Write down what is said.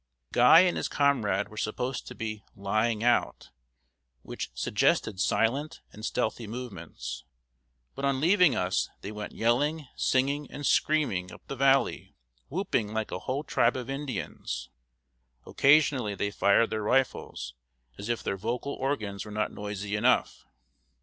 Guy and his comrade were supposed to be "lying out," which suggested silent and stealthy movements; but on leaving us they went yelling, singing, and screaming up the valley, whooping like a whole tribe of Indians. Occasionally they fired their rifles, as if their vocal organs were not noisy enough.